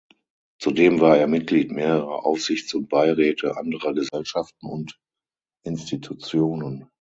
Zudem war er Mitglied mehrerer Aufsichts- und Beiräte anderer Gesellschaften und Institutionen.